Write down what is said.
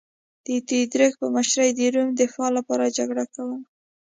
د تیودوریک په مشرۍ د روم دفاع لپاره جګړه کوله